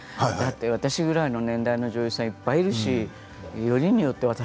私ぐらいの年代の女優さんいっぱいいるしよりによって私？